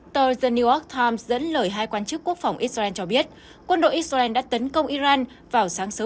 tờ the new york times dẫn lời hai quan chức quốc phòng israel cho biết quân đội israel đã tấn công iran vào sáng sớm một mươi chín tháng bốn